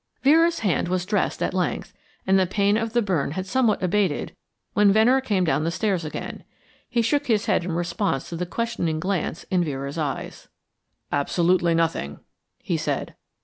Vera's hand was dressed at length, and the pain of the burn had somewhat abated when Venner came down the stairs again. He shook his head in response to the questioning glance in Vera's eyes. "Absolutely nothing," he said.